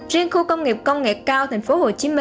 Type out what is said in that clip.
riêng khu công nghiệp công nghệ cao tp hcm